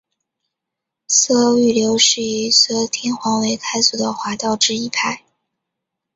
嵯峨御流是以嵯峨天皇为开祖的华道之一派。